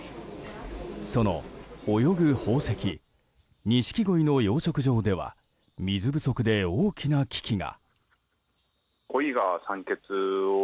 その泳ぐ宝石ニシキゴイの養殖場では水不足で大きな危機が。